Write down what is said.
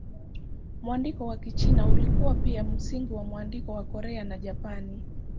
Mwandiko wa Kichina ulikuwa pia msingi wa mwandiko wa Korea na Japani.